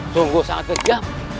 sungguh sangat kejam